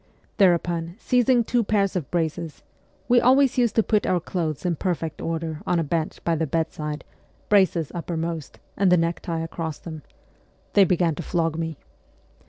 Thereupon, seizing two pairs of braces we always used to put our clothes in perfect order on a bench by the bedside, braces uppermost, and the necktie across them they began to flog me.